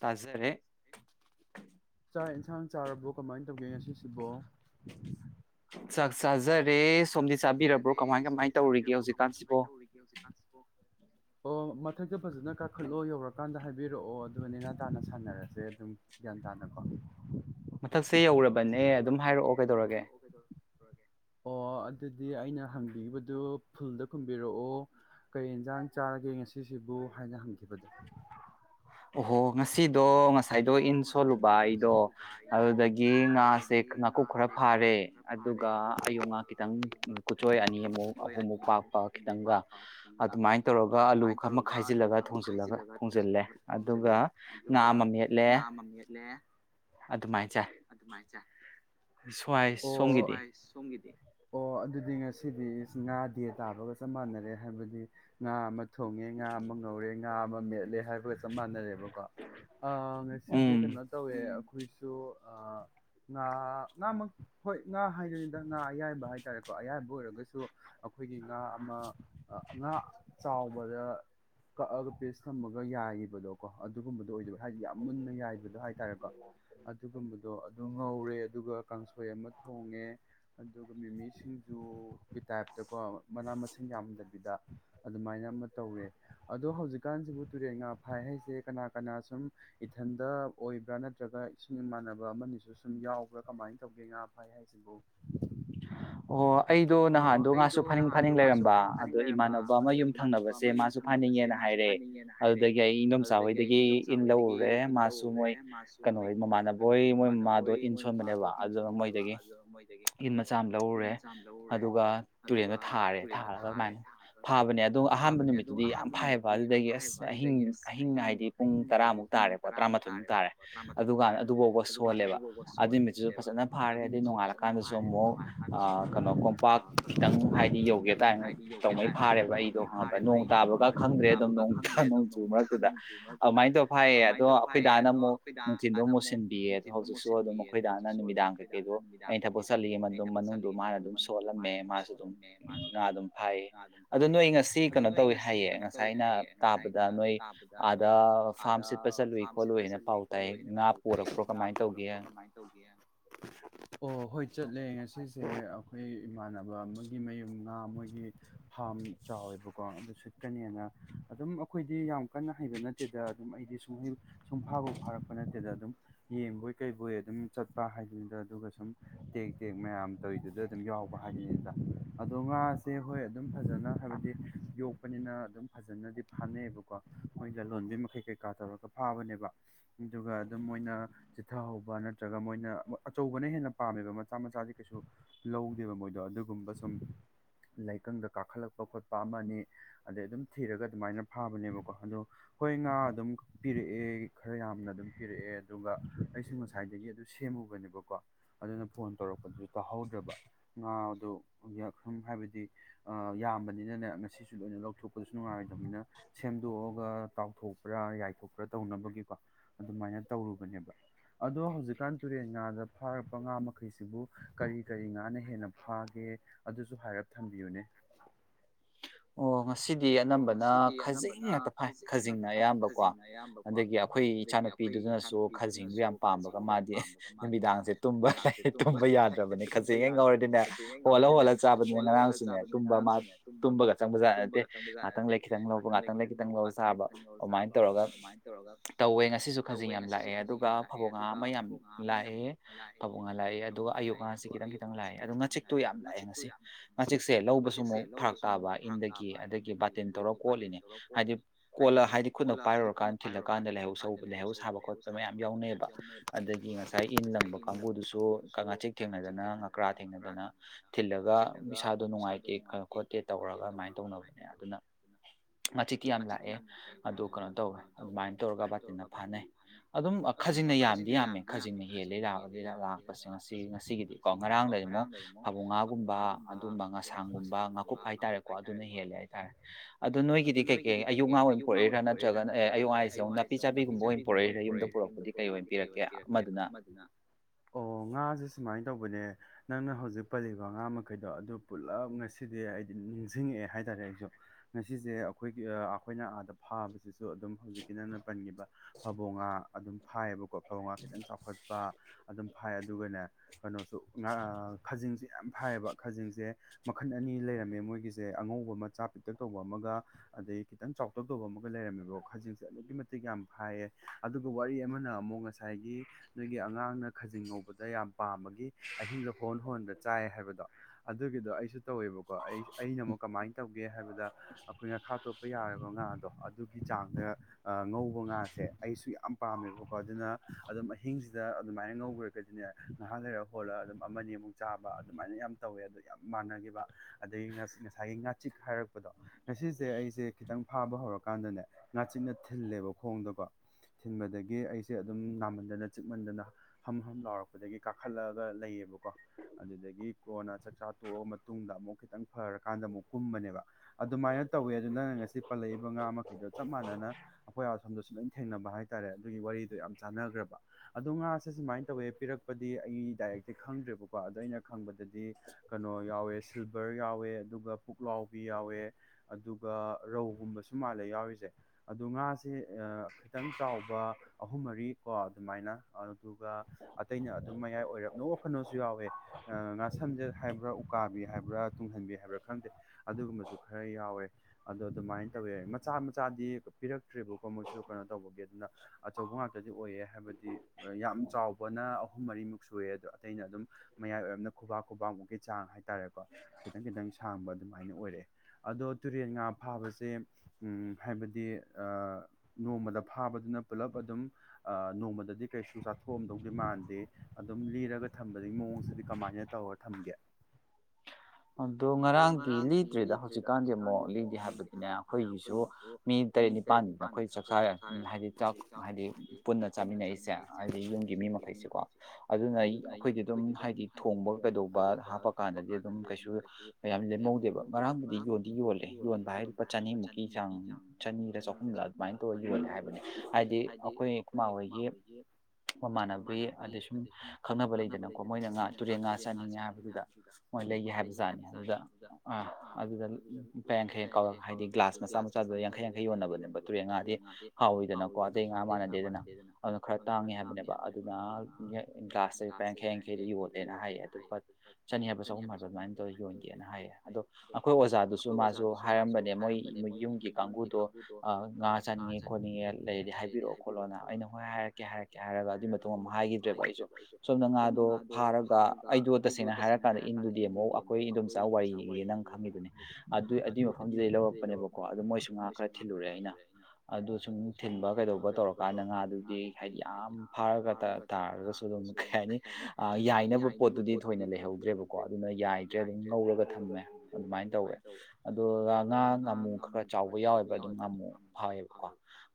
ꯇꯥꯖꯔꯦ ꯆꯥꯛ ꯏꯟꯁꯥꯡ ꯆꯥꯔꯕꯣ ꯀꯃꯥꯏꯅ ꯇꯧꯒꯦ ꯉꯁꯤꯁꯤꯕꯣ ꯆꯥꯛ ꯆꯥꯖꯔ ꯆꯥꯛ ꯆꯥꯖꯔꯦ ꯁꯣꯝꯗꯤ ꯆꯥꯕꯤꯔꯕ꯭ꯔꯣ ꯀꯃꯥꯏ ꯀꯃꯥꯏꯅ ꯇꯧꯔꯤꯒꯦ ꯍꯧꯖꯤꯛꯀꯥꯟ ꯑꯣ ꯃꯊꯛꯇ ꯐꯖꯅ ꯀꯥꯈꯠꯂꯣ ꯌꯧꯔꯀꯥꯟꯗ ꯍꯥꯏꯕꯤꯔꯛꯑꯣ ꯑꯗꯨꯒ ꯅꯦꯅꯥ ꯇꯥꯅ ꯁꯥꯟꯅꯔꯁꯦ ꯑꯗꯨꯝ ꯒ꯭ꯌꯥꯟ ꯇꯥꯅꯀꯣ [inaudible] ꯃꯊꯛꯁꯦ ꯌꯧꯔꯕꯅꯦ ꯑꯗꯨꯝ ꯍꯥꯏꯔꯛꯑꯣ ꯀꯩꯗꯧꯔꯛꯔꯒꯦ ꯑꯣ ꯑꯗꯨꯗꯤ ꯑꯩꯅ ꯍꯪꯕꯤꯕꯗꯨ ꯐꯨꯜꯗ ꯈꯨꯝꯕꯤꯔꯛꯑꯣ ꯀꯔꯤ ꯏꯟꯁꯥꯡ ꯆꯥꯔꯒꯦ ꯉꯁꯤꯁꯤꯕꯨ ꯍꯥꯏꯅ ꯍꯪꯈꯤꯕꯗꯣ ꯑꯣꯍꯣ ꯉꯁꯤꯗꯣ ꯉꯁꯥꯏꯗꯣ ꯏꯟ ꯁꯣꯜꯂꯨꯕ ꯑꯩꯗꯣ ꯑꯗꯨꯗꯒꯤ ꯉꯥꯁꯦ ꯉꯥꯀꯨꯞ ꯈꯔ ꯐꯥꯔꯦ ꯑꯗꯨꯒ ꯑꯌꯨꯛ ꯉꯥ ꯈꯤꯇꯪ ꯀꯨꯆꯣꯏ ꯑꯅꯤꯃꯨꯛ ꯑꯍꯨꯝꯃꯨꯛ ꯄꯥꯛꯄ ꯈꯤꯇꯪꯒ ꯑꯗꯨꯃꯥꯏꯅ ꯇꯧꯔꯒ ꯑꯂꯨ ꯑꯃ ꯈꯥꯏꯖꯤꯜꯂꯒ ꯊꯣꯡꯖꯤꯜꯂ ꯊꯣꯡꯖꯤꯜꯂꯦ ꯑꯗꯨꯒ ꯑꯗꯨꯒ ꯉꯥ ꯑꯃ ꯃꯦꯠꯂꯦ ꯑꯗꯨꯃꯥꯏꯅ ꯆꯥꯏ ꯑꯣ ꯑꯩ ꯁꯣꯝꯒꯤꯗꯤ ꯑꯣ ꯑꯗꯨꯗꯤ ꯉꯁꯤꯗꯤ ꯏꯁ ꯉꯥ ꯗꯦ ꯇꯥꯕꯒ ꯆꯞ ꯃꯥꯟꯅꯔꯦ ꯍꯥꯏꯕꯗꯤ ꯉꯥ ꯑꯃ ꯊꯣꯡꯉꯦ ꯉꯥ ꯑꯃ ꯉꯧꯔꯦ ꯉꯥ ꯑꯃ ꯃꯦꯠꯂꯦ ꯍꯥꯏꯕꯒ ꯆꯞ ꯃꯥꯟꯅꯔꯦꯕꯀꯣ ꯑꯥ ꯉꯁꯤꯗꯤ ꯀꯩꯅꯣ ꯇꯧꯋꯦ ꯑꯩꯈꯣꯏꯁꯨ ꯑ ꯉꯥ ꯉꯥꯃꯛ ꯍꯣꯏ ꯉꯥ ꯍꯥꯏꯗꯅꯤꯗ ꯉꯥ ꯑꯌꯥꯏꯕ ꯍꯥꯏꯇꯥꯔꯦꯀꯣ ꯑꯌꯥꯏꯕ ꯑꯣꯏꯔꯒꯁꯨ ꯑꯩꯈꯣꯏꯒꯤ ꯉꯥ ꯑꯃ ꯑ ꯉꯥ ꯆꯥꯎꯕꯗ ꯀꯛꯑꯒ ꯄꯤꯁ ꯊꯝꯃꯒ ꯌꯥꯏꯕꯗꯣ ꯀꯣ ꯑꯗꯨꯒꯨꯝꯕꯗꯣ ꯑꯣꯏꯗꯕ ꯍꯥꯏꯗꯤ ꯌꯥꯝ ꯃꯨꯟꯅ ꯌꯥꯏꯕꯗꯣ ꯍꯥꯏꯇꯥꯔꯦꯀꯣ ꯑꯗꯨꯒꯨꯝꯕꯗꯣ ꯑꯗꯨ ꯉꯧꯔꯦ ꯑꯗꯨꯒ ꯀꯥꯡꯁꯣꯏ ꯑꯃ ꯊꯣꯡꯉꯦ ꯑꯗꯨꯒ ꯃꯤꯃꯤ ꯁꯤꯡ ꯖꯨꯒꯤ ꯇꯥꯏꯞ ꯀꯣ ꯃꯅꯥ ꯃꯁꯤꯡ ꯌꯥꯝꯗꯕꯤꯗ ꯑꯗꯨꯃꯥꯏꯅ ꯑꯃ ꯇꯧꯔꯦ ꯑꯗꯣ ꯍꯧꯖꯤꯛꯀꯥꯟꯁꯤꯕꯨ ꯇꯨꯔꯦꯟ ꯉꯥ ꯐꯥꯏ ꯍꯩꯁꯦ ꯀꯅꯥ ꯀꯅꯥ ꯁꯨꯝ ꯏꯊꯟꯗ ꯑꯣꯏꯕ꯭ꯔꯥ ꯅꯠꯇ꯭ꯔꯒ ꯏꯁꯨꯡ ꯏꯃꯥꯟꯅꯕ ꯑꯃꯅꯤꯁꯨ ꯁꯨꯝ ꯌꯥꯎꯕ꯭ꯔꯥ ꯀꯃꯥꯏꯅ ꯀꯃꯥꯏꯅ ꯇꯧꯒꯦ ꯉꯥ ꯐꯥꯏ ꯍꯥꯏꯁꯤꯕꯨ [inaudible] ꯑꯣ ꯑꯩꯗꯣ ꯅꯍꯥꯟꯗꯣ ꯉꯥꯁꯨ ꯐꯅꯤꯡ ꯐꯅꯤꯡ ꯂꯩꯔꯝꯕ ꯑꯗꯣ ꯏꯃꯥꯟꯅꯕ ꯑꯃ ꯌꯨꯝ ꯊꯪꯅꯕꯁꯦ ꯃꯥ ꯐꯥꯅꯤꯡꯉꯦꯅ ꯍꯥꯏꯔꯦ ꯑꯗꯨꯗꯒꯤ ꯑꯩ ꯏꯅꯣꯝꯆꯥ ꯍꯣꯏ ꯑꯗꯒꯤ ꯏꯟ ꯂꯧꯔꯨꯔꯦ ꯃꯥꯁꯨ ꯃꯣꯏ ꯀꯩꯅꯣ ꯃꯃꯥꯟꯅꯕ ꯍꯣꯏ ꯃꯣꯏ ꯃꯃꯥꯗꯣ ꯏꯟ ꯁꯣꯟꯕꯅꯦꯕ ꯑꯗꯨ ꯃꯣꯏꯗꯒꯤ ꯏꯟ ꯃꯆꯥ ꯂꯧꯔꯨꯔꯦ ꯑꯗꯨꯒ ꯇꯨꯔꯦꯟꯗꯣ ꯊꯥꯔꯦ ꯊꯥꯔꯒ ꯑꯗꯨꯃꯥꯏꯅ ꯐꯥꯕꯅꯦ ꯑꯗꯨꯒ ꯑꯍꯥꯟꯕ ꯅꯨꯃꯤꯠꯇꯨ ꯑꯗꯨꯗꯤ ꯌꯥꯝ ꯐꯥꯏꯑꯦꯕ ꯑꯗꯨꯗꯒꯤ ꯑꯁ ꯑꯍꯤꯡ ꯑꯍꯤꯡ ꯍꯥꯏꯗꯤ ꯄꯨꯡ ꯇꯔꯥꯃꯨꯛ ꯇꯥꯔꯦꯀꯣ ꯇꯔꯥꯃꯊꯣꯏꯃꯨꯛ ꯇꯥꯔꯦ ꯑꯗꯨꯀꯥꯟꯗ ꯑꯗꯨꯐꯥꯎꯕ ꯁꯣꯜꯂꯦꯕ ꯅꯨꯃꯤꯠꯇꯨꯁꯨ ꯐꯖꯅ ꯐꯥꯔꯦ ꯑꯗꯨ ꯅꯣꯡꯉꯥꯜꯂ ꯀꯥꯟꯗꯁꯨ ꯑꯃꯨꯛ ꯑꯥ ꯀꯅꯣ ꯀꯣꯝꯄꯥꯛ ꯈꯤꯇꯪ ꯍꯥꯏꯗꯤ ꯌꯧꯒꯦ ꯇꯥꯏꯅ ꯇꯧꯉꯩ ꯐꯥꯔꯦꯕ ꯑꯩꯗꯣ ꯈꯪꯉꯕ꯭ꯔꯥ ꯅꯣꯡ ꯇꯥꯕꯒ ꯈꯪꯗ꯭ꯔꯦ ꯑꯗꯨꯝ ꯅꯣꯡ ꯅꯣꯡꯖꯨ ꯃꯔꯛ ꯑꯗꯨꯨꯗ ꯑꯗꯨꯃꯥꯏꯅ ꯇꯧ ꯐꯥꯏꯌꯦ ꯑꯗꯣ ꯑꯈꯣꯏꯗꯥꯅ ꯑꯃꯨꯛ ꯅꯨꯡꯊꯤꯟꯗꯣ ꯑꯃꯨꯛ ꯁꯤꯟꯕꯤꯌꯦ ꯊꯕꯛꯁꯨ ꯁꯨꯔꯗꯨ ꯑꯈꯣꯏ ꯗꯥꯅ ꯅꯨꯃꯤꯗꯥꯡ ꯀꯩꯀꯩꯗꯣ ꯑꯩꯅ ꯊꯕꯛ ꯆꯠꯂꯤ ꯑꯗꯨꯝ ꯃꯅꯨꯡꯗ ꯃꯥꯅ ꯑꯗꯨꯝ ꯁꯨꯍꯜꯂꯝꯃꯦ ꯃꯥꯁꯨ ꯑꯗꯨꯝ ꯉꯥ ꯑꯗꯨꯝ ꯐꯥꯏꯌꯦ ꯑꯗꯣ ꯅꯣꯏ ꯉꯁꯤ ꯀꯩꯅꯣ ꯇꯧꯋꯤ ꯍꯥꯏꯌꯦ ꯉꯁꯥꯏ ꯑꯩꯅ ꯇꯥꯕꯗ ꯅꯣꯏ ꯑꯥꯗ ꯐꯥꯔꯝ ꯁꯤꯠꯄ ꯆꯠꯂꯨꯏ ꯈꯣꯠꯂꯨꯏꯅ ꯄꯥꯎ ꯇꯥꯏ ꯉꯥ ꯄꯣꯔꯛꯄ꯭ꯔꯣ ꯀꯃꯥꯏꯅ ꯇꯧꯒꯦ ꯀꯃꯥꯏ ꯇꯧꯒꯦ ꯑꯣ ꯍꯣꯏ ꯆꯠꯂꯦ ꯉꯁꯤꯁꯦ ꯑꯩꯈꯣꯏ ꯏꯃꯥꯟꯅꯕ ꯑꯃꯒꯤ ꯃꯌꯨꯝ ꯉꯥ ꯃꯣꯏꯒꯤ ꯐꯥꯝ ꯆꯥꯎꯋꯦꯕꯀꯣ ꯀꯣ ꯑꯗꯣ ꯁꯨꯠꯀꯅꯤꯅ ꯑꯗꯨꯝ ꯑꯩꯈꯣꯏꯗꯤ ꯌꯥꯝ ꯀꯟꯅ ꯍꯩꯕ ꯅꯠꯇꯦꯗ ꯑꯗꯨꯝ ꯑꯩꯗꯤ ꯁꯨꯡꯍꯩ ꯁꯨꯡꯐꯥꯕꯨ ꯐꯥꯔꯛꯄ ꯅꯠꯇꯦꯗ ꯑꯗꯨꯝ ꯌꯦꯡꯕꯣꯏ ꯀꯩꯕꯣꯏ ꯑꯗꯨꯝ ꯁꯨꯝ ꯆꯠꯄ ꯍꯥꯏꯗꯨꯅꯤꯗ ꯑꯗꯨꯒ ꯁꯨꯝ ꯇꯦꯛ ꯇꯦꯛ ꯃꯌꯥꯝ ꯇꯧꯏꯗꯨꯗ ꯑꯗꯨꯝ ꯌꯥꯎꯕ ꯍꯥꯏꯗꯨꯅꯤꯗ ꯑꯗꯣ ꯉꯥꯁꯦ ꯍꯣꯏ ꯑꯗꯨꯝ ꯐꯖꯅ ꯍꯥꯏꯕꯗꯤ ꯌꯣꯛꯄꯅꯤꯅ ꯑꯗꯨꯝ ꯐꯖꯅꯗꯤ ꯐꯥꯅꯩꯑꯦꯕꯀꯣ ꯃꯣꯏ ꯂꯂꯣꯟꯕꯤ ꯃꯈꯩ ꯀꯩꯀꯥ ꯇꯧꯔꯒ ꯐꯥꯕꯅꯦꯕ ꯑꯗꯨꯒ ꯑꯗꯨꯝ ꯃꯣꯏꯅ ꯆꯤꯊꯍꯧꯕ ꯅꯠꯇ꯭ꯔ ꯒ ꯃꯣꯏꯅ ꯑꯆꯧꯕꯅ ꯍꯦꯟꯅ ꯄꯥꯝꯃꯦꯕ ꯃꯆꯥ ꯃꯆꯥꯖꯦ ꯀꯩꯁꯨ ꯂꯧꯗꯦꯕ ꯃꯣꯏꯗꯣ ꯑꯗꯨꯒꯨꯝꯕ ꯁꯨꯝ ꯂꯩꯀꯪꯗ ꯀꯥꯈꯠꯂꯛꯄ ꯈꯣꯠꯄ ꯑꯃ ꯑꯅꯤ ꯑꯗꯩ ꯑꯗꯨꯝ ꯊꯤꯔꯒ ꯑꯗꯨꯃꯥꯏꯅ ꯐꯥꯕꯅꯦꯕꯀꯣ ꯑꯗꯣ ꯍꯣꯏ ꯉꯥ ꯑꯗꯨꯝ ꯄꯤꯔꯛꯑꯦ ꯈꯔ ꯌꯥꯝꯅ ꯑꯗꯨꯝ ꯄꯤꯔꯛꯑꯦ ꯑꯗꯨꯒ ꯑꯩꯁꯨ ꯉꯁꯥꯏ ꯗꯒꯤ ꯑꯗꯨ ꯁꯦꯝꯃꯨꯕꯅꯦꯕꯀꯣ ꯑꯗꯨꯅ ꯐꯣꯟ ꯇꯧꯔꯛꯄꯗꯨꯁꯨ ꯇꯥꯍꯧꯗ꯭ꯔꯕ ꯉꯥꯗꯣ ꯌ ꯁꯨꯝ ꯍꯥꯏꯕꯗꯤ ꯌꯥꯝꯕꯅꯤꯅꯅꯦ ꯉꯁꯤꯁꯨ ꯂꯣꯏꯅ ꯂꯧꯊꯣꯛꯄꯗꯨꯁꯨ ꯅꯨꯡꯉꯥꯏ ꯅꯤꯅ ꯁꯤꯡ ꯁꯦꯝꯗꯣꯛꯑꯒ ꯇꯥꯎꯊꯣꯛꯄ꯭ꯔꯥ ꯌꯥꯏꯊꯣꯛꯄ꯭ꯔꯥ ꯇꯧꯅꯕꯒꯤꯀꯣ ꯑꯗꯨꯃꯥꯏꯅ ꯇꯧꯔꯨꯕꯅꯦꯕ ꯑꯗꯣ ꯍꯧꯖꯤꯛꯀꯥꯟ ꯇꯨꯔꯦꯟ ꯉꯥꯗ ꯐꯥꯔꯛꯄ ꯉꯥ ꯃꯈꯩꯁꯤꯕꯨ ꯀꯔꯤ ꯀꯔꯤ ꯉꯥꯅ ꯍꯦꯟꯅ ꯐꯥꯒꯦ ꯑꯗꯨꯁꯨ ꯍꯥꯏꯔꯞ ꯊꯝꯕꯤꯌꯨꯅꯦ ꯁꯤꯗꯤ ꯑꯅꯝꯕꯅ ꯈꯖꯤꯡ ꯉꯥꯛꯇ ꯐꯥꯏ ꯈꯖꯤꯡꯅ ꯑꯌꯥꯝꯕꯀꯣ ꯑꯗꯒꯤ ꯑꯩꯈꯣꯏ ꯏꯆꯥꯅꯨ ꯄꯤꯗꯨꯅꯁꯨ ꯈꯥꯖꯤꯡꯗꯨ ꯌꯥꯝ ꯄꯥꯝꯕꯒ ꯃꯥꯗꯤ ꯅꯨꯃꯤꯗꯥꯡꯖꯦ ꯇꯨꯝꯕ ꯌꯥꯏ ꯇꯨꯝꯕ ꯌꯥꯗ꯭ꯔꯕꯅꯦ ꯈꯖꯤꯡ ꯍꯦꯛ ꯉꯧꯔꯗꯤꯅꯦ ꯍꯣꯜꯂ ꯍꯣꯜꯂꯒ ꯆꯥꯕꯗꯅꯦ ꯉꯔꯥꯡꯁꯨꯅꯦ ꯇꯨꯝꯕ ꯃꯥ ꯇꯨꯝꯕꯒ ꯆꯪꯕ ꯖꯥꯠ ꯅꯠꯇꯦ ꯉꯇꯪ ꯂꯩ ꯈꯤꯇꯪ ꯂꯧꯕ ꯉꯥꯇꯪ ꯂꯩ ꯈꯤꯇꯪ ꯂꯧꯕ ꯆꯥꯕ ꯑꯗꯨꯃꯥꯏ ꯇꯧꯔꯒ ꯇꯧꯋꯦ ꯉꯁꯤꯁꯨ ꯈ ꯈꯖꯤꯡ ꯌꯥꯝ ꯂꯥꯛꯑꯦ ꯑꯗꯨꯒ ꯐꯕꯣꯉꯥ ꯑꯃ ꯌꯥꯝ ꯂꯥꯛꯑꯦ ꯐꯕꯣ ꯉꯥ ꯂꯥꯛꯑꯦ ꯑꯗꯨꯒ ꯑꯌꯣꯛ ꯉꯥꯁꯦ ꯈꯤꯇꯪ ꯈꯤꯇꯪ ꯂꯥꯛꯑꯦ ꯑꯗꯣ ꯉꯥꯆꯤꯛꯇꯣ ꯌꯥꯝ ꯂꯥꯛꯑꯦ ꯉꯁꯤ ꯉꯥꯆꯤꯛꯁꯦ ꯂꯧꯕꯁꯨ ꯑꯃꯨꯛ ꯐꯔꯛ ꯇꯥꯕ ꯏꯟꯗꯒꯤ ꯑꯗꯒꯤ ꯕꯥꯇꯤꯜ ꯇꯧꯔꯒ ꯀꯣꯠꯂꯤꯅꯤ ꯍꯥꯏꯗꯤ ꯀꯣꯠꯂꯒ ꯍꯥꯏꯗꯤ ꯈꯨꯠꯅ ꯄꯥꯏꯔꯨꯔꯀꯥꯟꯗ ꯊꯤꯜꯂꯀꯥꯟꯗ ꯂꯥꯏꯍꯧ ꯁꯧ ꯐꯥꯕ ꯈꯣꯠꯄ ꯃꯌꯥꯝ ꯌꯥꯎꯅꯩꯑꯦꯕ ꯑꯗꯒꯤ ꯉꯁꯥꯏ ꯏꯟ ꯂꯪꯕ ꯀꯥꯡꯕꯨꯗꯨꯁꯨ ꯉꯥꯆꯤꯛ ꯊꯦꯡꯅꯗꯅ ꯀ꯭ꯔꯥ ꯊꯦꯡꯅꯗꯅ ꯊꯤꯜꯂꯒ ꯏꯁꯥꯗꯣ ꯅꯨꯡꯉꯥꯏꯇꯦ ꯈꯣꯠꯇꯦ ꯇꯧꯔꯒ ꯑꯗꯨꯃꯥꯏꯅ ꯇꯧꯅꯕꯅꯦ ꯑꯗꯨꯅ ꯉꯥꯆꯤꯛꯇꯤ ꯌꯥꯝ ꯂꯥꯛꯑꯦ ꯑꯗꯨ ꯀꯩꯅꯣ ꯇꯧꯋꯦ ꯑꯗꯨꯃꯥꯏꯅ ꯇꯧꯔꯒ ꯕꯥꯇꯤꯟꯅ ꯐꯥꯅꯩ ꯑꯗꯨꯝ ꯈꯖꯤꯡꯅ ꯌꯥꯝꯗꯤ ꯌꯥꯝꯃꯦ ꯈꯖꯤꯡꯅ ꯍꯦꯜꯂꯦ ꯂꯥꯛꯑꯦ ꯂꯥꯛꯄꯁꯦ ꯉꯁꯤ ꯉꯁꯤꯒꯤꯗꯤꯀꯣ ꯉꯔꯥꯡꯗꯩ ꯑꯃꯨꯛ ꯐꯥꯕꯣꯉꯥꯒꯨꯝꯕ ꯑꯗꯨꯒꯨꯝꯕ ꯉꯥꯁꯥꯡꯒꯨꯝꯕ ꯉꯥꯀꯨꯞ ꯍꯥꯏꯇꯥꯔꯦꯀꯣ ꯑꯗꯨꯅ ꯍꯦꯜꯂꯦ ꯍꯥꯏꯇꯥꯔꯦ ꯑꯗꯣ ꯅꯣꯏꯒꯤꯗꯤ ꯀꯩꯀꯩ ꯑꯌꯣꯛ ꯉꯥ ꯑꯣꯏꯅ ꯄꯣꯔꯛꯏꯔꯥ ꯅꯠꯇ꯭ꯔꯒꯅ ꯑꯦ ꯑꯌꯣꯛ ꯉꯥ ꯍꯥꯏꯁꯤ ꯌꯦꯡꯉꯣ ꯅꯥꯄꯤ ꯆꯥꯕꯤꯒꯨꯝꯕ [unintelligible] ꯑꯣ ꯉꯥꯖꯦ ꯁꯨꯃꯥꯏꯅ ꯇꯧꯕꯅꯦ ꯅꯪꯅ ꯍꯧꯖꯤꯛ ꯄꯜꯂꯤꯕ ꯉꯥ ꯃꯈꯩꯗꯣ ꯑꯗꯨ ꯄꯨꯜꯂꯞ ꯉꯁꯤꯗꯤ ꯑꯩꯗꯤ ꯅꯤꯡꯁꯤꯡꯉꯛꯑꯦ ꯍꯥꯏ ꯆꯠꯆꯔꯦ ꯑꯩꯁꯨ ꯉꯁꯤꯁꯦ ꯑꯩꯈꯣꯏꯒꯤ ꯑ ꯑꯩꯈꯣꯏꯅ ꯑꯥꯗ ꯐꯥꯕꯁꯤꯁꯨ ꯨꯑꯗꯣ ꯑꯗꯨꯝ ꯍꯧꯖꯤꯛꯀꯤ ꯅꯪꯅ ꯄꯟꯈꯤꯕ ꯐꯕꯣꯉꯥ ꯑꯗꯨꯝ ꯐꯥꯏꯌꯦꯕ ꯐꯧꯕꯣ ꯉꯥ ꯈꯤꯇꯪ ꯆꯥꯎꯈꯠꯄ ꯑꯗꯨꯝ ꯐꯥꯏ ꯑꯗꯨꯒꯅꯦ ꯀꯩꯅꯣꯁꯨ ꯑ ꯈꯥꯖꯤꯡꯁꯦ ꯌꯥꯝ ꯐꯥꯏꯌꯦꯕ ꯈꯖꯤꯡꯁꯦ ꯃꯈꯟ ꯑꯅꯤ ꯂꯩꯔꯝꯃꯦ ꯃꯣꯏꯒꯤꯖꯦ ꯑꯉꯧ ꯑ ꯃꯆꯥ ꯄꯤꯛꯇꯛ ꯇꯧꯕ ꯑꯃꯒ ꯑꯗꯩ ꯈꯤꯇꯪ ꯆꯥꯎꯇꯛ ꯇꯧꯕ ꯑꯃꯒ ꯂꯩꯔꯝꯃꯦꯕꯀꯣ ꯈꯖꯤꯡꯁꯦ ꯑꯗꯨꯛꯀꯤ ꯃꯇꯤꯛ ꯌꯥꯝ ꯐꯥꯏ ꯌꯦ ꯑꯗꯨꯒ ꯋꯥꯔꯤ ꯑꯃꯅ ꯑꯃꯨꯛ ꯉꯁꯥꯏꯒꯤ ꯅꯣꯏꯒꯤ ꯑꯉꯥꯡꯅ ꯈꯖꯤꯡ ꯉꯧꯕꯗ ꯌꯥꯝ ꯄꯥꯝꯕꯒꯤ ꯑꯍꯤꯡꯗ ꯍꯣꯟ ꯍꯣꯟꯗ ꯆꯥꯏ ꯍꯥꯏꯕꯗꯣ ꯑꯗꯨꯒꯤꯗꯣ ꯑꯩꯁꯨ ꯇꯧꯋꯦꯕꯀꯣ ꯑꯩ ꯑꯩꯅ ꯑꯃꯨꯛ ꯀꯃꯥꯏ ꯇꯧꯒꯦ ꯍꯥꯏꯕꯗ ꯑꯩꯈꯣꯏ ꯉꯈꯥ ꯇꯣꯠꯄ ꯌꯥꯔꯕ ꯉꯥꯗꯣ ꯑꯗꯨꯒꯤ ꯆꯥꯡꯗ ꯑ ꯉꯧꯕ ꯐꯧꯕꯣ ꯉꯥꯁꯦ ꯑꯩꯁꯨ ꯌꯥꯝ ꯄꯥꯝꯃꯦꯕꯀꯣ ꯑꯗꯨꯅ ꯑꯗꯨꯝ ꯑꯍꯤꯡꯁꯤꯗ ꯑꯗꯨꯃꯥꯏꯅ ꯉꯧꯒ꯭ꯔꯒꯗꯤꯅꯦ ꯉꯥꯏꯍꯥꯛ ꯂꯩꯔꯒ ꯍꯣꯜꯂꯒ ꯑꯗꯨꯝ ꯑꯃꯅꯤ ꯆꯥꯕ ꯑꯗꯨꯃꯥꯏꯅ ꯌꯥꯝ ꯇꯧꯋꯦ ꯑꯗꯨ ꯌꯥꯝ ꯃꯥꯟꯅꯈꯤꯕ ꯑꯗꯒꯤ ꯉ ꯉꯁꯥꯏꯒꯤ ꯆꯤꯛ ꯍꯥꯏꯔꯛꯄꯗꯣ ꯉꯁꯤꯁꯦ ꯑꯩꯁꯦ ꯈꯤꯇꯪ ꯐꯥꯕ ꯍꯧꯔꯀꯥꯟꯗꯅꯦ ꯉꯥꯆꯤꯛꯅ ꯊꯤꯜꯂꯦꯕ ꯈꯣꯡꯗꯀꯣ ꯊꯤꯟꯕꯗꯒꯤ ꯑꯩꯁꯦ ꯑꯗꯨꯝ ꯅꯥꯃꯟꯗꯅ ꯆꯤꯛꯃꯟꯗꯅ ꯍꯝ ꯍꯝ ꯂꯥꯎꯔꯛꯄꯗꯒꯤ ꯀꯥꯈꯠꯂꯛꯑꯒ ꯂꯩꯌꯦ ꯀꯣ ꯑꯗꯨꯗꯒꯤ ꯀꯣꯟꯅ ꯆꯥꯛꯆꯥꯥ ꯇꯣꯛꯑ ꯃꯇꯨꯡꯗ ꯑꯃꯨꯛ ꯈꯤꯇꯪ ꯐꯔꯀꯥꯟꯗ ꯑꯃꯨꯛ ꯀꯨꯝꯕꯅꯦꯕ ꯑꯗꯨꯃꯥꯏꯅ ꯇꯧꯋꯦ ꯑꯗꯨ ꯅꯪꯅ ꯉꯁꯤ ꯄꯜꯂꯛꯏꯕ ꯉꯥ ꯃꯈꯩꯗꯣ ꯆꯞ ꯃꯥꯟꯅꯅ ꯑꯩꯈꯣꯏ ꯑꯁꯣꯝꯗ ꯁ ꯂꯣꯏ ꯊꯦꯡꯅꯕ ꯍꯥꯏꯇꯥꯔꯦ ꯑꯗꯨꯒꯤ ꯋꯥꯔꯤꯗꯣ ꯌꯥꯝ ꯆꯥꯟꯅꯒ꯭ꯔꯕ ꯑꯗꯣ ꯉꯥ ꯁꯤ ꯁꯨꯃꯥꯏꯅ ꯇꯧꯋꯦ ꯄꯤꯔꯛꯄꯗꯤ ꯑꯩ ꯗꯥꯏꯔꯦꯛꯇꯤ ꯈꯪꯗ꯭ꯔꯦꯕꯀꯣ ꯑꯗꯣ ꯑꯩꯅ ꯈꯪꯕꯗꯗꯤ ꯀꯩꯅꯣ ꯌꯥꯎꯋꯦ ꯁꯤꯜꯚꯔ ꯌꯥꯎꯋꯦ ꯑꯗꯨꯒ ꯄꯨꯛꯂꯥꯎꯕꯤ ꯌꯥꯎꯋꯦ ꯑꯗꯨꯒ ꯔꯧꯒꯨꯝꯕ ꯁꯨ ꯃꯥꯜꯂꯦ ꯌꯥꯎꯔꯤꯁꯦ ꯑꯗꯨ ꯉꯥꯁꯦ ꯈꯤꯇꯪ ꯆꯥꯎꯕ ꯑꯍꯨꯝ ꯃꯔꯤ ꯀꯣ ꯑꯗꯨꯃꯥꯏꯅ ꯑꯗꯨꯒ ꯑꯇꯩꯅ ꯑꯗꯨꯝ ꯃꯌꯥꯏ ꯑꯣꯏꯔꯞꯅ ꯑꯣ ꯀꯩꯅꯣꯁꯨ ꯌꯥꯎꯋꯦ ꯉꯥꯁꯝꯖꯦꯠ ꯍꯥꯏꯕ꯭ꯔꯥ ꯎꯀꯥꯕꯤ ꯍꯥꯏꯕ꯭ꯔꯥ ꯇꯨꯡꯍꯟꯕꯤ ꯍꯥꯏꯕ꯭ꯔꯥ ꯈꯪꯗꯦ ꯑꯗꯨꯒꯨꯝꯕꯁꯨ ꯈꯔ ꯌꯥꯎꯋꯦ ꯑꯗꯣ ꯑꯗꯨꯃꯥꯏꯅ ꯇꯧꯋꯦ ꯃꯆꯥ ꯃꯆꯥꯗꯤ ꯄꯤꯔꯛꯇ꯭ꯔꯦꯕꯀꯣ ꯃꯣꯏꯁꯨ ꯀꯩꯅꯣ ꯇꯧꯕꯒꯤ ꯑꯗꯨꯅ ꯑꯆꯧꯕ ꯉꯥꯛꯇꯗꯤ ꯑꯣꯏꯌꯦ ꯍꯥꯏꯕꯗꯤ ꯌꯥꯝ ꯆꯥꯎꯕꯅ ꯑꯍꯨꯝ ꯃꯔꯤꯃꯨꯛꯁꯨ ꯑꯣꯏꯌꯦ ꯑꯗꯣ ꯑꯇꯩꯩꯅ ꯑꯗꯨꯝ ꯃꯌꯥꯏ ꯑꯣꯏꯔꯞꯅ ꯈꯨꯕꯥꯛ ꯈꯨꯕꯥꯛꯃꯨꯛꯀꯤ ꯆꯥꯡ ꯍꯥꯏꯇꯥꯔꯦꯀꯣ ꯈꯤꯇꯪ ꯈꯤꯇꯪ ꯁꯥꯡꯕ ꯑꯣꯏꯔꯦ ꯑꯗꯣ ꯇꯨꯔꯦꯟ ꯉꯥ ꯐꯥꯕꯁꯦ ꯍꯥꯏꯕꯗꯤ ꯅꯣꯡ ꯅꯣꯡꯃꯗ ꯐꯥꯕꯗꯨꯅ ꯄꯨꯂꯞ ꯑꯗꯨꯝ ꯑꯥ ꯅꯣꯡꯃꯗꯗꯤ ꯀꯩꯁꯨ ꯆꯥꯊꯣꯛꯑꯝꯗꯧꯗꯤ ꯃꯥꯟꯗꯦ ꯑꯗꯨꯝ ꯂꯤ ꯂꯤꯔꯒ ꯊꯝꯕꯩ ꯃꯑꯣꯡꯁꯤꯗꯤ ꯀꯃꯥꯏꯅ ꯇꯧꯔ ꯊꯝꯒꯦ ꯑꯗꯣ ꯉꯔꯥꯡ ꯔꯥꯡꯗꯤ ꯂꯤꯗ꯭ꯔꯤꯗ ꯍꯧꯖꯤꯛꯀꯥꯟꯗꯤ ꯑꯃꯨꯛ ꯂꯤꯗꯦ ꯍꯥꯏꯕꯗꯤꯅꯦ ꯑꯩꯈꯣꯏꯒꯤꯁꯨ ꯃꯤ ꯇꯔꯦꯠ ꯅꯤꯄꯥꯟꯅꯤꯅ ꯑꯩ ꯑꯩꯈꯣꯏ ꯆꯥꯛꯆꯥꯔꯦ ꯍꯥꯏꯗꯤ ꯆꯥꯛ ꯍꯥꯏꯗꯤ ꯄꯨꯟꯅ ꯆꯥꯃꯤꯟꯅꯔꯤꯁꯦ ꯍꯥꯏꯗꯤ ꯌꯨꯝꯒꯤ ꯃꯤ ꯃꯈꯩꯁꯤꯀꯣ ꯑꯗꯨꯅ ꯑꯩ ꯑꯩꯈꯣꯏꯗꯤ ꯑꯗꯨꯝ ꯍꯥꯏꯗꯤ ꯊꯣꯡꯕ ꯀꯩꯗꯧꯕ ꯍꯥꯞꯄ ꯀꯥꯟꯗꯗꯤ ꯑꯗꯨꯝ ꯀꯩꯁꯨ ꯃꯌꯥꯝ ꯂꯦꯝꯍꯧꯗꯦꯕ ꯉꯔꯥꯡꯕꯨꯗꯤ ꯌꯣꯟꯗꯤ ꯌꯣꯜꯂꯦ ꯌꯣꯟꯕ ꯍꯥꯏ ꯂꯨꯄꯥ ꯆꯅꯤꯃꯨꯛꯀꯤ ꯆꯥꯡ ꯆꯅꯤꯔ ꯆꯍꯨꯝꯂ ꯑꯗꯨꯃꯥꯏꯅ ꯑꯗꯣ ꯌꯣꯜꯂꯤ ꯍꯥꯏꯕꯅꯤ ꯍꯥꯏꯗꯤ ꯑꯩꯈꯣꯏꯃꯥ ꯍꯣꯏꯒꯤ ꯃꯃꯥꯟꯕꯤ ꯑꯗ ꯁꯨꯝ ꯈꯪꯅꯕ ꯂꯩꯗꯅꯀꯣ ꯃꯣꯏꯅ ꯉꯥ ꯇꯨꯔꯦꯟ ꯉꯥ ꯆꯠꯅꯤꯡꯉꯦ ꯍꯥꯏꯕꯗꯨꯗ ꯃꯣꯏ ꯂꯩꯒꯦ ꯍꯥꯏꯕ ꯖꯥꯠꯅꯤ ꯑꯗꯨꯗ ꯑꯥ ꯑꯗꯨꯗ ꯂꯨꯄꯥ ꯌꯥꯡꯈꯩ ꯀꯥꯎꯔꯒ ꯍꯥꯏꯗꯤ ꯒ꯭ꯂꯥꯁ ꯃꯆꯥ ꯃꯆꯥꯗꯨ ꯌꯥꯡꯈꯩ ꯌꯥꯡꯈꯩ ꯌꯣꯟꯅꯕꯅꯦꯕ ꯇꯨꯔꯦꯟ ꯉꯥꯥꯁꯦ ꯍꯥꯎꯋꯤꯗꯅꯀꯣ ꯑꯇꯩ ꯉꯥ ꯃꯥꯟꯅꯗꯦꯗꯅ ꯑꯗꯨꯅ ꯈꯔ ꯇꯥꯡꯉꯦ ꯍꯥꯏꯕꯅꯦꯕ ꯑꯗꯨꯅ ꯒ꯭ꯂꯥꯁꯁꯦ ꯂꯨꯄ ꯌꯥꯡꯈꯩ ꯌꯥꯡꯈꯩꯗ ꯌꯣꯜꯂꯦꯅ ꯍꯥꯏꯌꯦ ꯑꯗꯨꯒ ꯆꯅꯤ ꯍꯥꯏꯕ ꯆꯍꯨꯝ ꯍꯥꯏꯕ ꯑꯗꯨꯃꯥꯏꯅ ꯇꯧꯔꯒ ꯌꯣꯟꯒꯦꯅ ꯍꯥꯏ ꯑꯗꯣ ꯑꯩꯈꯣꯏ ꯑꯣꯖꯥꯗꯨꯁꯨ ꯃꯥꯁꯨ ꯍꯥꯏꯔꯝꯕꯅꯦ ꯃꯣꯏ ꯌꯨꯝꯒꯤ ꯀꯥꯡꯕꯨꯗꯣ ꯉꯥ ꯃꯥ ꯆꯥꯅꯤꯡꯉꯦ ꯈꯣꯠꯅꯤꯡꯉꯦ ꯂꯩꯔꯗꯤ ꯍꯥꯏꯕꯤꯔꯛꯑꯣ ꯈꯣꯠꯂꯣꯅ ꯑꯩꯅ ꯍꯣꯏ ꯍꯥꯏꯔꯛꯀꯦ ꯍꯥꯏꯔꯛꯀꯦ ꯍꯥꯏꯔꯒ ꯑꯗꯨꯏ ꯃꯇꯨꯡ ꯑꯃꯨꯛ ꯍꯥꯏꯈꯤꯗ꯭ꯔꯦꯕ ꯑꯩ ꯁꯣꯝꯗ ꯉꯥꯗꯣ ꯐꯥꯔꯒ ꯑꯩꯗꯣ ꯇꯁꯦꯡꯅ ꯍꯥꯏꯔꯀꯥꯟꯗ ꯏꯟꯗꯨꯗꯤ ꯑꯃꯨꯛ ꯑꯩꯈꯣꯏ ꯏꯗꯣꯝꯆꯥ ꯋꯥꯏꯔꯤ ꯒꯦ ꯅꯪ ꯈꯪꯉꯤꯗꯨꯅꯦ ꯑꯗꯨ ꯑꯗꯨꯒꯤ ꯃꯐꯝꯗꯨꯗꯩ ꯂꯧꯔꯛꯄꯅꯦꯕꯀꯣ ꯑꯗꯨ ꯃꯣꯏꯁꯨ ꯉꯥ ꯈꯔ ꯊꯤꯜꯂꯨꯔꯦ ꯑꯩꯅ ꯑꯗꯨ ꯁꯨꯝ ꯊꯤꯟꯕ ꯀꯩꯗꯧꯕ ꯇꯧꯔꯀꯥꯟꯗ ꯉꯥꯗꯨꯒꯤ ꯍꯥꯏꯗꯤ ꯌꯥꯝ ꯐꯥꯔꯒ ꯇꯥꯔꯒꯁꯨ ꯑꯗꯨꯝ ꯀꯩ ꯍꯥꯏꯅꯤ ꯌꯥꯅꯕ ꯄꯣꯠꯇꯨꯗꯤ ꯊꯣꯏꯅ ꯂꯩꯍꯧꯗ꯭ꯔꯦꯕꯀꯣ ꯑꯗꯨꯅ ꯌꯥꯏꯗ꯭ꯔꯦ ꯑꯗꯨꯝ ꯉꯧ ꯄꯨꯔꯒ ꯊꯝꯃꯦ ꯑꯗꯨꯃꯥꯏꯅ ꯇꯧꯋꯦ ꯑꯗꯨꯒ ꯉꯥ ꯉꯥꯃꯨ ꯈꯔ ꯆꯥꯎꯕ ꯌꯥꯎꯋꯦꯕ ꯑꯗꯨꯝ ꯉꯥꯃꯨ ꯐꯥꯎꯌꯦꯕꯀꯣ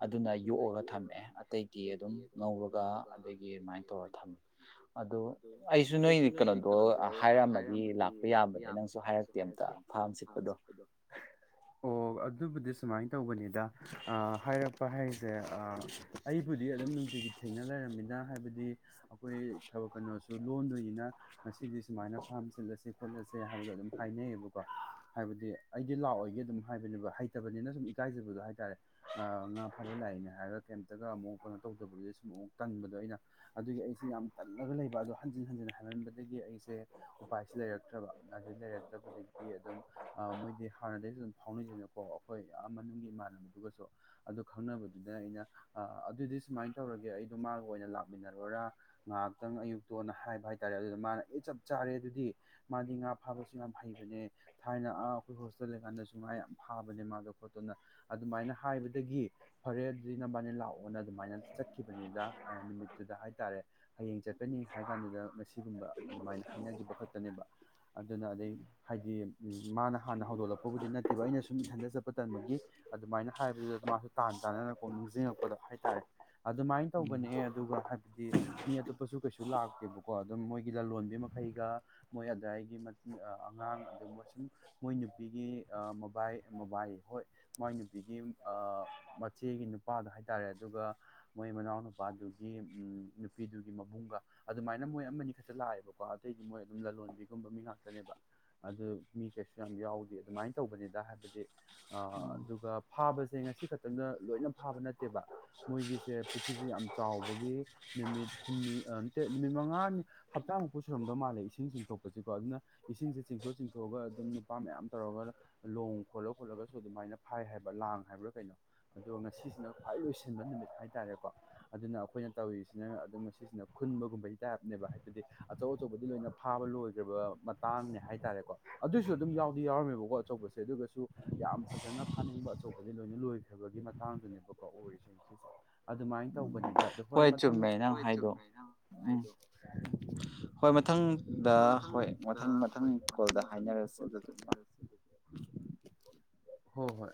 ꯑꯗꯨꯅ ꯌꯣꯛꯑꯒ ꯊꯝꯃꯛꯑꯦ ꯑꯇꯩꯗꯤ ꯑꯗꯨꯝ ꯉꯧꯔꯒ ꯑꯗꯒꯤ ꯑꯗꯨꯃꯥꯏꯅ ꯇꯧ ꯗꯣ ꯊꯝ ꯑꯗꯨ ꯑꯩꯁꯨ ꯅꯣꯏ ꯀꯩꯅꯣꯗꯣ ꯍꯥꯏꯔꯛꯑꯝꯃꯗꯤ ꯂꯥꯛꯄ ꯌꯥ [unintelligible] ꯑꯣ ꯑꯗꯨꯕꯨꯗꯤ ꯁꯨꯃꯥꯏꯅ ꯇꯧꯕꯅꯤꯗ ꯍꯥꯏꯔꯛꯄ ꯍꯥꯏꯁꯦ ꯑꯩꯕꯨꯗꯤ ꯑꯗꯨꯝ ꯅꯨꯡꯇꯤꯒꯤ ꯊꯦꯡꯅ ꯂꯩꯔꯝꯃꯤꯅ ꯍꯥꯏꯕ ꯍꯥꯏꯕꯗꯤ ꯑꯩꯈꯣꯏ ꯊꯕꯛ ꯀꯩꯅꯣꯁꯨ ꯂꯣꯟꯗꯣꯏꯅꯤꯅ ꯉꯁꯤꯗꯤ ꯁꯨꯃꯥꯏꯅ ꯐꯥꯝ ꯁꯤꯠꯂꯁꯤ ꯈꯣꯠꯂꯁꯤ ꯁꯦ ꯍꯥꯏꯕꯗꯣ ꯑꯗꯨꯝ ꯍꯥꯏꯅꯩꯌꯦꯕꯀꯣ ꯍꯥꯏꯕꯗꯤ ꯑꯩꯗꯤ ꯂꯥꯛꯑꯣꯏꯒꯦ ꯑꯗꯨꯝ ꯍꯥꯏꯕꯅꯦꯕ ꯍꯩꯇꯕꯅꯤꯅ ꯁꯨꯝ ꯏꯀꯥꯏꯖꯕꯗꯣ ꯍꯥꯏꯇꯥꯔꯦ ꯑꯥ ꯉꯥ ꯐꯥꯕ ꯂꯥꯛꯏꯅꯦ ꯍꯥꯏꯔꯒ ꯀꯩꯝꯇꯒ ꯑꯃꯨꯛ ꯀꯩꯅꯣ ꯇꯧꯗꯕꯗꯨꯗꯩ ꯁꯨꯝ ꯑꯃꯨꯛ ꯇꯟꯕꯗꯣ ꯑꯩꯅ ꯑꯗꯨꯒꯤ ꯑꯩꯁꯁꯤ ꯌꯥꯝ ꯇꯜꯂꯒ ꯂꯩꯕ ꯑꯗꯣ ꯍꯟꯖꯤꯟ ꯍꯟꯖꯤꯟ ꯑꯩꯅ ꯍꯥꯏꯃꯟꯕꯗꯒꯤ ꯑꯩꯁꯦ ꯎꯄꯥꯏꯁꯦ ꯂꯩꯔꯛꯇ꯭ꯔꯕ ꯑꯗꯨ ꯂꯩꯔꯛꯇꯕꯗꯒꯤ ꯑꯗꯨꯝ ꯃꯣꯏꯗꯤ ꯍꯥꯟꯅꯗꯒꯤꯁꯨ ꯑꯗꯨꯝ ꯐꯥꯎꯅꯩꯗꯅꯀꯣ ꯑꯩꯈꯣꯏ ꯑꯥ ꯃꯅꯨꯡꯒꯤ ꯏꯃꯥꯟ ꯑꯗꯨ ꯈꯪꯅꯕꯗꯨꯗ ꯑꯩꯅ ꯑꯥ ꯑꯗꯨꯗꯤ ꯁꯨꯃꯥꯏꯅ ꯇꯧꯔꯒꯦ ꯑꯩꯗꯣ ꯃꯥꯒ ꯑꯣꯏꯅ ꯂꯥꯛ ꯇꯃꯤꯟꯅꯔꯣꯏꯔꯥ ꯉꯥꯏꯍꯥꯛꯇꯪ ꯑꯌꯨꯛꯇꯣꯅ ꯍꯥꯏꯕ ꯍꯥꯏꯇꯥꯔꯦ ꯑꯗꯨꯅ ꯃꯥꯅ ꯑꯦ ꯆꯞ ꯆꯥꯔꯦ ꯑꯗꯨꯗꯤ ꯃꯥꯗꯤ ꯉꯍꯥꯛ ꯐꯥꯕꯁꯨ ꯌꯥꯝ ꯍꯩꯕꯅꯦ ꯊꯥꯏꯅ ꯑꯩꯈꯣꯏ ꯍꯣꯁꯇꯦꯜ ꯂꯩꯀꯥꯟꯗꯁꯨ ꯉꯥ ꯌꯥꯝ ꯐꯥꯕꯅꯦ ꯃꯥꯗꯣ ꯈꯣꯠꯇꯅ ꯑꯗꯨꯃꯥꯏꯅ ꯍꯥꯏꯕꯗꯒꯤ ꯍꯣꯔꯦꯟ ꯑꯗꯨꯏ ꯅꯕꯥꯅꯤ ꯂꯥꯛꯑꯣꯅ ꯑꯗꯨꯃꯥꯏꯅ ꯆꯠꯈꯤꯕꯅꯤꯗ ꯅꯨꯃꯤꯠꯇꯨꯗ ꯍꯥꯏꯇꯥꯔꯦ ꯍꯌꯦꯡ ꯆꯠꯀꯅꯤ ꯍꯥꯏꯔ ꯀꯥꯟꯗ ꯑꯗꯨꯗ ꯃꯁꯤꯒꯨꯝꯕ ꯑꯗꯨꯃꯥꯏꯅ ꯍꯥꯏꯅꯈꯤꯕ ꯈꯛꯇꯅꯦꯕ ꯑꯗꯩ ꯍꯥꯏꯗꯤ ꯃꯥꯅ ꯍꯥꯟꯅ ꯍꯧꯗꯣꯛꯂꯛꯄꯕꯨꯗꯤ ꯅꯠꯇꯦꯕ ꯑꯩꯅ ꯁꯨꯝ ꯏꯊꯟ ꯆꯠꯄ ꯇꯟꯕꯒꯤ ꯑꯗꯨꯃꯥꯏ ꯍꯥꯏꯕꯗꯨꯗ ꯃꯥꯁꯨ ꯇꯥꯟ ꯆꯥꯟꯅꯅ ꯅꯤꯡꯁꯤꯡꯉꯛꯄ ꯍꯥꯏꯇꯥꯔꯦ ꯑꯗꯨꯃꯥꯏꯅ ꯇꯧꯕꯅꯦ ꯑꯗꯨꯒ ꯍꯥꯏꯕꯗꯤ ꯃꯤ ꯑꯇꯣꯞꯄꯁꯨ ꯀꯩꯁꯨ ꯂꯥꯛ ꯇꯨꯕꯀꯣ ꯑꯗꯨꯝ ꯃꯣꯏꯒꯤ ꯂꯂꯣꯟꯕꯤ ꯃꯈꯩꯒ ꯃꯣꯏ ꯑꯗꯥꯏꯒꯤ ꯑꯉꯥꯡ ꯑꯗꯨ ꯁꯨꯝ ꯃꯣꯏ ꯅꯨꯄꯤꯒꯤ ꯑꯥ ꯃꯕꯥꯏ ꯃꯕꯥꯏ ꯍꯣꯏ ꯃꯣꯏ ꯅꯨꯄꯤꯒꯤ ꯃꯆꯦꯒꯤ ꯅꯨꯄꯥꯗ ꯍꯥꯏꯇꯥꯔꯦ ꯑꯗꯨꯒ ꯃꯣꯏ ꯃꯅꯥꯎ ꯅꯨꯄꯥꯗꯨꯒꯤ ꯎ ꯅꯨꯄꯤꯗꯨꯒꯤ ꯃꯕꯨꯡꯒ ꯑꯗꯨꯃꯥꯏꯅ ꯃꯣꯏ ꯑꯃꯅꯤ ꯈꯛꯇ ꯂꯥꯛꯑꯦꯕꯀꯣ ꯑꯇꯩꯗꯤ ꯃꯣꯏ ꯃꯤ ꯉꯥꯛꯇꯅꯦꯕ ꯑꯗꯨ ꯃꯤ ꯀꯩꯁꯨ ꯌꯥꯝ ꯌꯥꯎꯗꯦ ꯑꯗꯨꯃꯥꯏꯅ ꯇꯧꯕꯅꯤꯗ ꯍꯥꯏꯕꯗꯤ ꯑꯥ ꯑꯗꯨꯒ ꯐꯥꯕꯁꯦ ꯉꯁꯤ ꯈꯛ ꯃꯇꯝꯗ ꯂꯣꯏꯅ ꯐꯥꯕ ꯅꯠꯇꯦꯕ ꯃꯣꯏꯒꯤꯁꯦ ꯄꯨꯈ꯭ꯔꯤꯁꯦ ꯌꯥꯝ ꯆꯥꯎꯕꯒꯤ ꯅꯨꯃꯤꯠ ꯍꯨꯝꯅꯤ ꯅꯨꯃꯤꯠ ꯃꯉꯥꯅꯤ ꯍꯞꯇꯥꯃꯨꯛꯄꯨ ꯁꯨꯔꯝꯗꯧ ꯃꯥꯜꯂꯦ ꯏꯁꯤꯡ ꯆꯤꯡꯊꯣꯛꯄ ꯏꯁꯤꯡꯁꯦ ꯆꯤꯡꯊꯣꯛ ꯆꯤꯡꯊꯣꯛꯑꯒ ꯑꯗꯨꯝ ꯅꯨꯄꯥ ꯃꯌꯥꯝ ꯇꯧꯔꯒ ꯂꯣꯡ ꯈꯣꯠꯂ ꯈꯣꯠꯂꯒꯁꯨ ꯑꯗꯨꯃꯥꯏꯅ ꯐꯥꯏ ꯍꯥꯏꯕ ꯂꯥꯡ ꯍꯥꯏꯕ꯭ꯔꯥ ꯀꯩꯅꯣ ꯑꯗꯨꯒ ꯉꯁꯤꯁꯤꯅ ꯈ꯭ꯋꯥꯏ ꯂꯣꯏꯁꯤꯟꯕ ꯅꯨꯃꯤꯠ ꯍꯥꯏꯇꯥꯔꯦꯀꯣ ꯑꯗꯨꯅ ꯑꯩꯈꯣꯏꯅ ꯇꯧꯋ ꯅ ꯑꯗꯨꯝ ꯃꯁꯤꯁꯤꯅ ꯈꯨꯟꯕꯒꯨꯝꯕꯒꯤ ꯇꯥꯏꯞꯅꯦꯕ ꯍꯥꯏꯕꯗꯤ ꯑꯆꯧ ꯑꯆꯧꯕꯗꯤ ꯂꯣꯏꯅ ꯐꯥꯕ ꯂꯣꯏ ꯃꯇꯥꯡꯅꯦ ꯍꯥꯏꯇꯥꯔꯦꯀꯣ ꯑꯗꯨꯁꯨ ꯑꯗꯨꯝ ꯌꯥꯎꯗꯤ ꯌꯥꯎꯔꯝꯃꯦꯕꯀꯣ ꯑꯆꯧꯕꯁꯦ ꯑꯗꯨꯒꯁꯨ ꯌꯥꯝ ꯐꯖꯅ ꯐꯥꯅꯤꯡꯕ ꯑꯆꯧꯕꯗꯤ ꯂꯣꯏꯅ ꯂꯣꯏꯈ꯭ꯔꯕꯒꯤ ꯃꯇꯥꯡꯗꯨꯅꯦꯕ [inaudible] ꯑꯗꯨꯃꯥꯏꯅ ꯇꯧꯕꯅꯤꯅ ꯑ ꯍꯣꯏ ꯃꯊꯪ ꯍꯣꯏ ꯆꯨꯝꯅ ꯍꯥꯏꯗ [inaudible] ꯃꯊꯪꯗ ꯍꯣꯏ ꯃꯊꯪꯗ ꯍꯣꯏ ꯃꯊꯪ ꯃꯊꯪꯗ ꯍꯥꯏꯅꯔꯁꯤ ꯑꯗꯨ [inaudible] ꯍꯣꯏ ꯍꯣꯏ